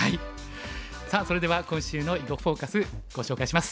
さあそれでは今週の「囲碁フォーカス」ご紹介します。